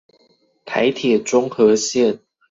臺鐵中和線